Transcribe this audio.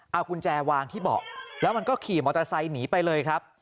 เอากุญแจวางที่เบาะแล้วมันก็ขี่มอเตอร์ไซค์หนีไปเลยครับ